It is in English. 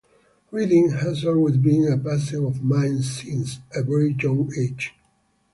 Reading has always been a passion of mine since a very young age.